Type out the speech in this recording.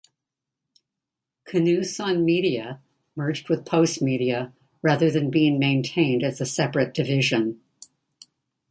Canoe Sun Media merged with Postmedia rather than being maintained as a separate division.